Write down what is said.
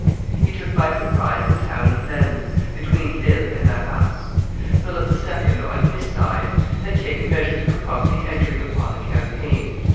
He took by surprise the town of Lens, between Lille and Arras. Philip II., on his side, had taken measures for promptly entering upon the campaign.